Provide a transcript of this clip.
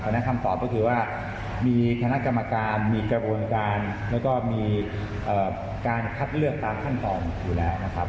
ฉะคำตอบก็คือว่ามีคณะกรรมการมีกระบวนการแล้วก็มีการคัดเลือกตามขั้นตอนอยู่แล้วนะครับ